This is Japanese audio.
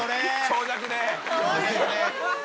長尺で。